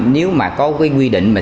nếu mà có cái quy định mà